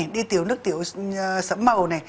đi tiểu nước tiểu sẫm màu